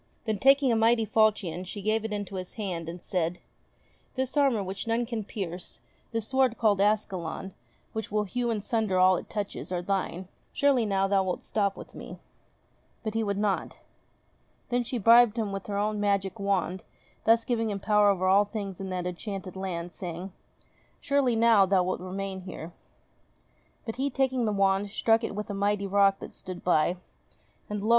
Then, taking a mighty falchion, she gave it into his hand, and said : "This armour which none can pierce, this sword called Ascalon, which will hew in sunder all it touches, are thine ; surely now thou wilt stop with me ?" But he would not. Then she bribed him with her own magic wand, thus giving him power over all things in that enchanted land, saying : "Surely now wilt thou remain here ?" But he, taking the wand, struck with it a mighty rock that stood by ; and lo